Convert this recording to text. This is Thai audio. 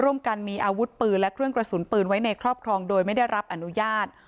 ร่วมกันมีอาวุธปืนและเครื่องกระสุนปืนไว้ในครอบครองโดยไม่ได้รับอนุญาต